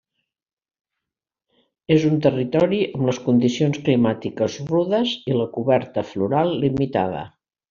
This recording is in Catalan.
És un territori amb les condicions climàtiques rudes i la coberta floral limitada.